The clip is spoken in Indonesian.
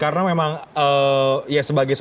karena memang ya sebagiannya